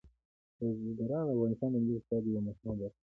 بزګان د افغانستان د ملي اقتصاد یوه مهمه برخه ده.